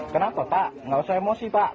kenapa pak nggak usah emosi pak